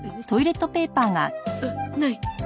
あっない。